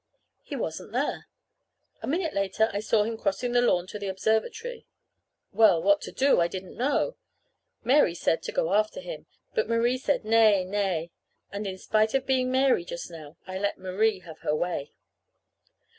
He wasn't there. A minute later I saw him crossing the lawn to the observatory. Well, what to do I didn't know. Mary said to go after him; but Marie said nay, nay. And in spite of being Mary just now, I let Marie have her way.